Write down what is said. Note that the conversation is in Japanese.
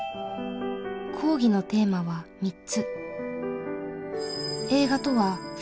講義のテーマは３つ。